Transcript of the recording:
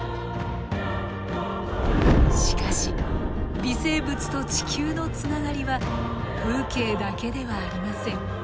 しかし微生物と地球のつながりは風景だけではありません。